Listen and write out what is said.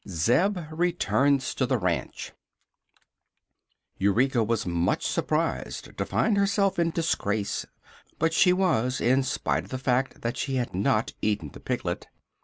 ZEB RETURNS TO THE RANCH Eureka was much surprised to find herself in disgrace; but she was, in spite of the fact that she had not eaten the piglet.